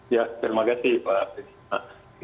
ya terima kasih pak